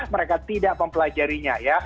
mereka tidak mempelajarinya ya